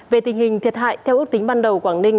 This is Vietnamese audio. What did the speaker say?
về tình hình thiệt hại theo ước tính ban đầu quảng ninh